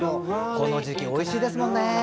この時期、おいしいですもんね。